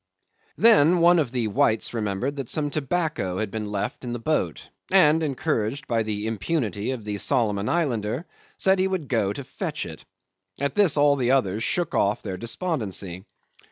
'Then one of the whites remembered that some tobacco had been left in the boat, and, encouraged by the impunity of the Solomon Islander, said he would go to fetch it. At this all the others shook off their despondency.